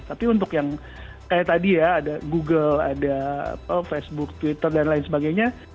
tapi untuk yang kayak tadi ya ada google ada facebook twitter dan lain sebagainya